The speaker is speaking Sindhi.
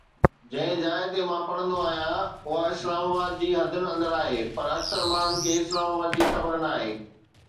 جنهن جاءِ تي مان پڙهندو آهيان، اها اسلام آباد جي حدن اندر آهي، پر اڪثر ماڻهن کي اسلام آباد جي خبر ناهي.